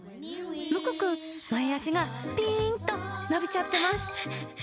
むくくん、前足がぴーんとのびちゃってます。